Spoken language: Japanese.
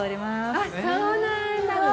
あっそうなんだ。